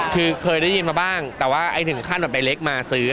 คือเคยได้ยินมาบ้างแต่ถึงขั้นแบบแรกมาซื้อ